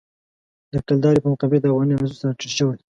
د کلدارې په مقابل کې د افغانۍ ارزښت راټیټ شوی.